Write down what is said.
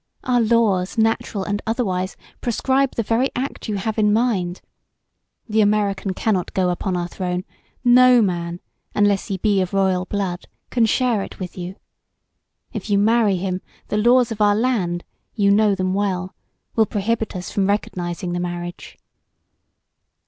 Our laws, natural and otherwise. proscribe the very act you have in mind. The American cannot go upon our throne; no man, unless he be of royal blood, can share it with you. If you marry him the laws of our land you know them well will prohibit us from recognizing the marriage."